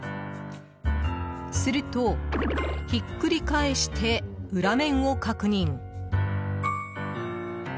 すると、ひっくり返して裏面を確認。